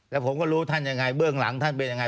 แล้วผมก็รู้ท่านยังไงเบื้องหลังท่านเป็นยังไง